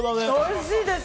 おいしいです。